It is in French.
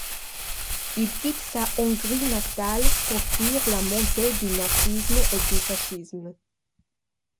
Il quitte sa Hongrie natale pour fuir la montée du nazisme et du fascisme.